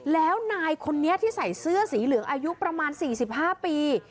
แล้วนายคนนี้ที่ใส่เสื้อสีเหลืองอายุประมาณ๔๕ปี